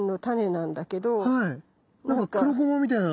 なんか黒ゴマみたいな。